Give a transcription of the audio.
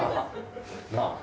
なあ。